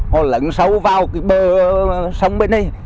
hồi lần sau vào cái bờ sông bên đây